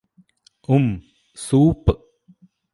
ഉം സൂപ്പ്